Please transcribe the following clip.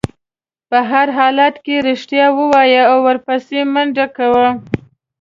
په هر حالت کې رښتیا ووایه او ورپسې منډه کوه.